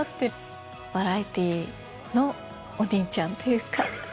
バラエティーのお兄ちゃんっていうか。